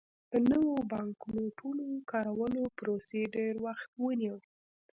د نویو بانکنوټونو کارولو پروسې ډېر وخت ونیو.